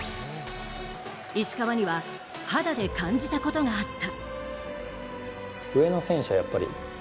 石川には、肌で感じたことがあった。